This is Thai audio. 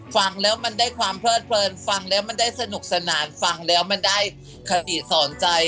ฟังแล้วมันได้ความเพลิดเพลินฟังแล้วมันได้สนุกสนานฟังแล้วมันได้คติสอนใจ